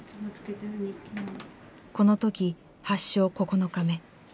この時発症９日目。